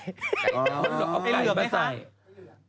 ไอ้เหลือไหมคะ